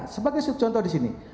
sebagai contoh di sini